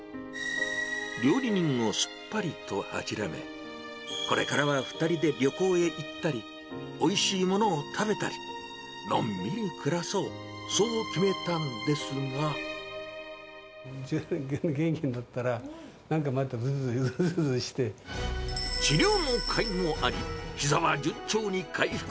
料理人をすっぱりと諦め、これからは２人で旅行へ行ったり、おいしいものを食べたり、のんび元気になったら、治療のかいもあり、ひざは順調に回復。